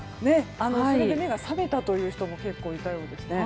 それで目が覚めたという人もいたそうですね。